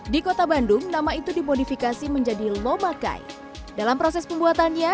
di kota bandung nama itu dimodifikasi menjadi lobakai dalam proses pembuatannya